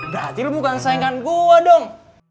berarti lu bukan sayangkan gue dong